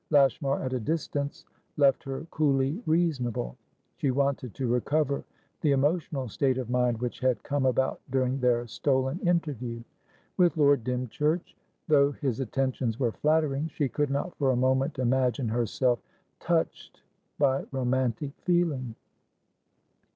Lashmar at a distance left her coolly reasonable; she wanted to recover the emotional state of mind which had come about during their stolen interview. With Lord Dymchurch, though his attentions were flattering, she could not for a moment imagine herself touched by romantic feeling.